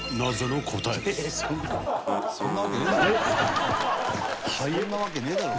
そんなわけねえだろ。